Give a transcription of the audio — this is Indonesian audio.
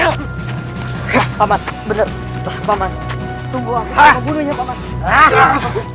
tunggu aku bunuhnya pak mat